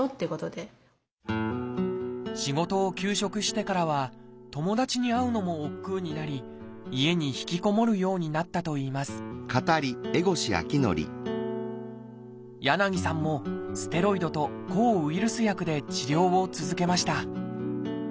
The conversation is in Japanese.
仕事を休職してからは友達に会うのもおっくうになり家に引きこもるようになったといいます柳さんもステロイドと抗ウイルス薬で治療を続けました。